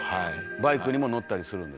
バイクにも乗ったりするんですか？